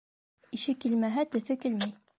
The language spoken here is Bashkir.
Ише килмәһә, төҫө килмәй.